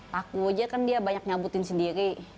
paku aja kan dia banyak nyabutin sendiri